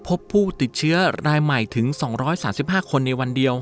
พบผู้ติดเชื้อรายใหม่ถึง๒๓๕คนในวันเดียว